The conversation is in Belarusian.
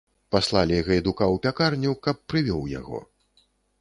Паслалі гайдука ў пякарню, каб прывёў яго.